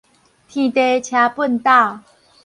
天地捙畚斗